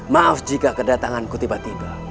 maaf jika kedatanganku tiba tiba